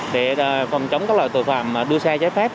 để phòng chống các loại tội phạm đua xe trái phép